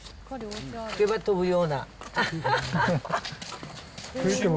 吹けば飛ぶような。